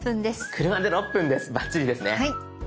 車で６分ですバッチリですね。